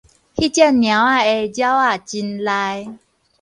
彼隻貓仔的爪仔真利